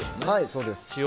そうです。